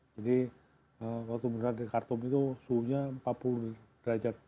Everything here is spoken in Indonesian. jadi waktu menerang dari khartoum itu suhunya empat puluh derajat